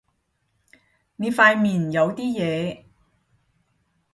你塊面有啲嘢